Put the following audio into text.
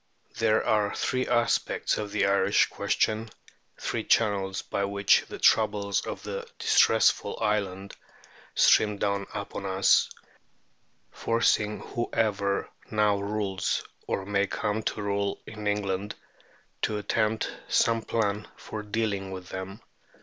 There are three aspects of the Irish question, three channels by which the troubles of the "distressful island" stream down upon us, forcing whoever now rules or may come to rule in England to attempt some plan for dealing with them.